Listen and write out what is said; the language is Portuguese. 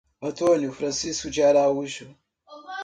Antônio Francisco de Araújo